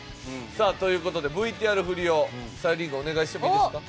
さあという事でＶＴＲ振りをさゆりんごお願いしてもいいですか？